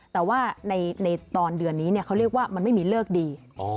แต่ว่าในตอนเดือนนี้เขาเรียกว่ามันไม่มีเลิกดี